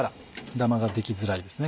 ダマができづらいですね